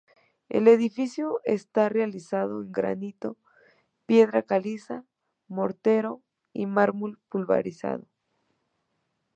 El edificio está realizado en granito, piedra caliza, mortero y mármol pulverizado.